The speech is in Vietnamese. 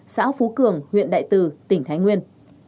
xã phú cường huyện đại từ tỉnh thái nguyên